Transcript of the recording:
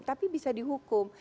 tapi bisa dihukum